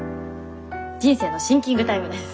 人生のシンキングタイムです。